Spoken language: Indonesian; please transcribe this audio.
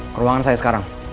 ke ruangan saya sekarang